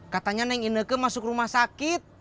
katanya neng ineke masuk rumah sakit